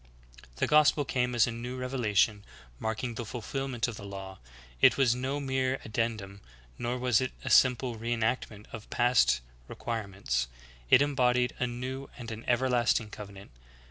"* The gospel came as a new reve lation, marking the fulfilment of the law, it was no mere addendum, nor was it a simple re enactment of past re quirements ; it embodied a new and an everlasting covenant.